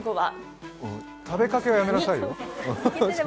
食べかけはやめなさいよ。